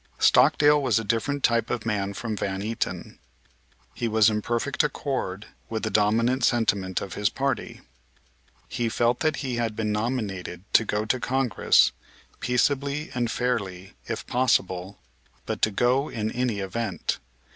Stockdale was a different type of a man from Van Eaton. He was in perfect accord with the dominant sentiment of his party. He felt that he had been nominated to go to Congress, "peaceably and fairly," if possible, but to go in any event.